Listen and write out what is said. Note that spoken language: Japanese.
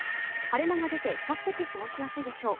晴れ間が出て比較的過ごしやすいでしょう。